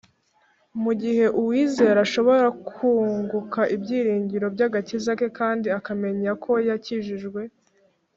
Mu gihe uwizera ashobora kwunguka ibyiringiro by'agakiza ke kandi akamenya ko yakijijwe,